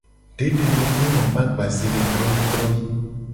Dede be no be agbaze le droyii droyii.